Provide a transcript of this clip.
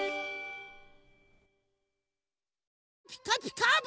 「ピカピカブ！」